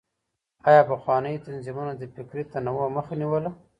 آيا پخوانيو تنظيمونو د فکري تنوع مخه نيوله؟